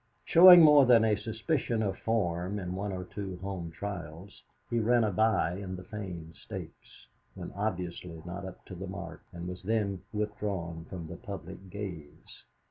Showing more than a suspicion of form in one or two home trials, he ran a bye in the Fane Stakes, when obviously not up to the mark, and was then withdrawn from the public gaze.